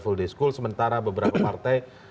puldei school sementara beberapa partai